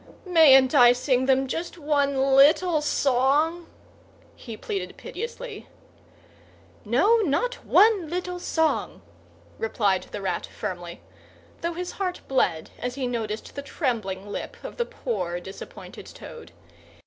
"Mayn't I sing them just one little song?" he pleaded piteously. "No, not one little song," replied the Rat firmly, though his heart bled as he noticed the trembling lip of the poor disappointed Toad.